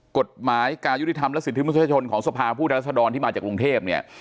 กฎหมายการยุทธิธรรมและสิทธิประชาชนของสภาพผู้ทรัศน์ทรอนที่มาจากรุงเทพเนี่ย